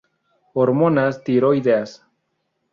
Hormonas Tiroideas.